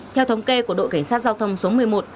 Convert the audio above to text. theo thống kê của đội cảnh sát giao thông số một mươi một